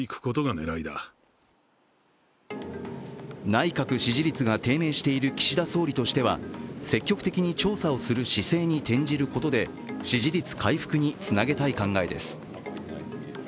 内閣支持率が低迷している岸田総理としては積極的に調査をする姿勢に転じることで支持率回復につなげたい考えです。